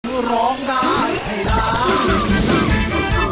คือร้องได้ให้ร้าน